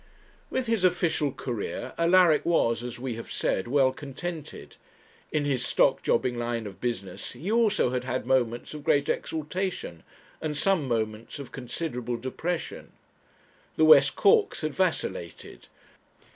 With his official career Alaric was, as we have said, well contented; in his stock jobbing line of business he also had had moments of great exaltation, and some moments of considerable depression. The West Corks had vacillated.